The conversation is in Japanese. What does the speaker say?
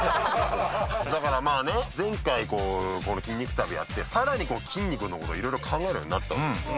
だから前回この筋肉旅をやってさらに筋肉のことをいろいろ考えるようになったわけですよ。